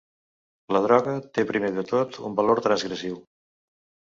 La droga té primer de tot un valor transgressiu.